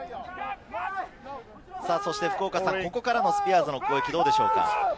ここからのスピアーズの攻撃、どうでしょうか？